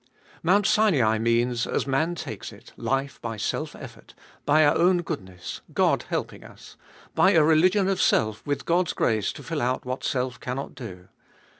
2 Mount Sinai means, as man takes it, life by self effort, by our own goodness, God helping us ; by a. religion of self, with God's grace to fill out what self cannot do.